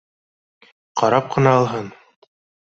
Ҡарап ҡына алһын